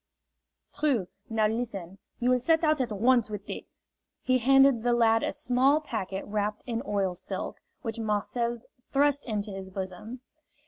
"True. Now listen. You will set out at once with this." He handed the lad a small packet wrapped in oil silk, which Marcel thrust into his bosom.